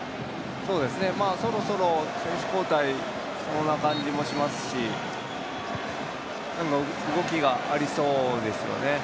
そろそろ選手交代しそうな感じもしますし動きがありそうですよね。